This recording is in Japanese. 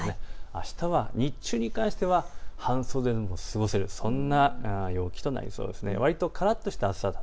あしたは日中に関しては半袖でも過ごせる、そんな陽気となりそうです。